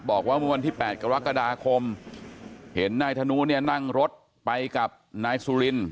บอกว่าเมื่อวันที่๘กรกฎาคมเห็นนายธนูเนี่ยนั่งรถไปกับนายสุริน